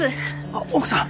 あっ奥さん。